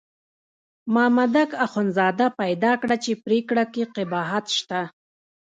مامدک اخندزاده پیدا کړه چې پرېکړه کې قباحت شته.